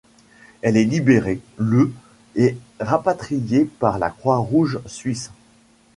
Elle est libérée, le et rapatriée par la Croix-rouge suisse.